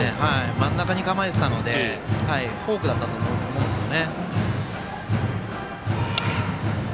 真ん中に構えていのでフォークだったと思うんですけど。